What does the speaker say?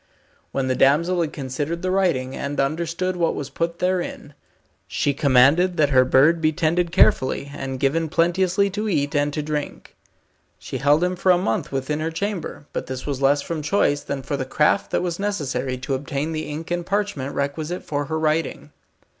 When the damsel had considered the writing, and understood what was put therein, she commanded that her bird should be tended carefully, and given plenteously to eat and to drink. She held him for a month within her chamber, but this was less from choice, than for the craft that was necessary to obtain the ink and parchment requisite for her writing.